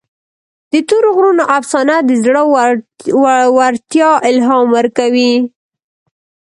د تورې غرونو افسانه د زړه ورتیا الهام ورکوي.